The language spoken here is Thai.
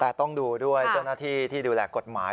แต่ต้องดูด้วยเจ้าหน้าที่ที่ดูแลกฎหมาย